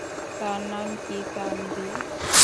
তার নাম কি তানভি?